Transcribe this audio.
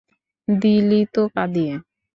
দিলি তো কাঁদিয়ে।